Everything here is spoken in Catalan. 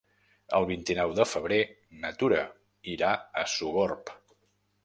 El vint-i-nou de febrer na Tura irà a Sogorb.